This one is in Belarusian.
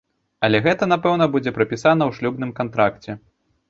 Але гэта, напэўна, будзе прапісана ў шлюбным кантракце.